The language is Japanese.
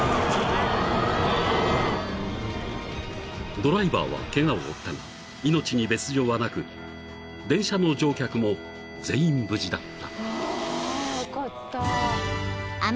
［ドライバーはケガを負ったが命に別条はなく電車の乗客も全員無事だった］